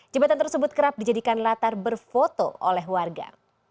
jembatan tersebut kerap dijadikan latar berfoto oleh warga